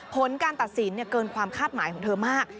ผลการตัดสินเกินความคาดหมายของเธอมาก